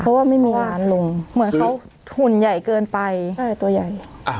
เพราะว่าไม่มีหวานลงเหมือนเขาหุ่นใหญ่เกินไปตัวใหญ่